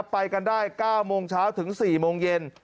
ไปกันได้๙โมงเช้าถึง๔โมงเย็น